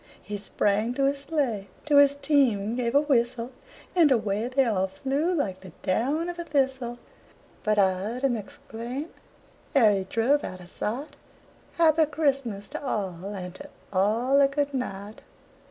He sprang to his sleigh, to his team gave a whistle, And away they all flew like the down of a thistle; But I heard him exclaim, ere he drove out of sight: "Happy Christmas to all, and to all a good night!"